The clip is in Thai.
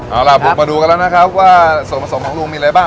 เอาล่ะบุกมาดูกันแล้วนะครับว่าส่วนผสมของลุงมีอะไรบ้าง